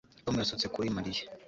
Tom yasutse kuri Mariya